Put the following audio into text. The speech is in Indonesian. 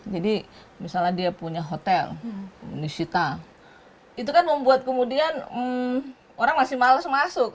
jadi misalnya dia punya hotel di sita itu kan membuat kemudian orang masih males masuk